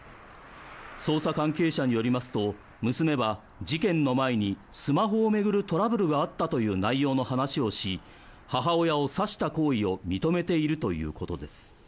捜査関係者によりますと娘は、事件の前にスマホを巡るトラブルがあったという内容の話をし母親を刺した行為を認めているということです。